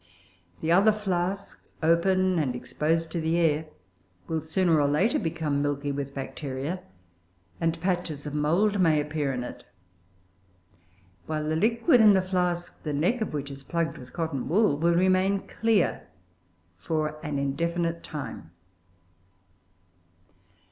The other flask, open and exposed to the air, will, sooner or later, become milky with Bacteria, and patches of mould may appear in it; while the liquid in the flask, the neck of which is plugged with cotton wool, will remain clear for an indefinite time.